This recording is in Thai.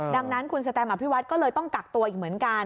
ดังนั้นคุณสแตมอภิวัฒน์ก็เลยต้องกักตัวอีกเหมือนกัน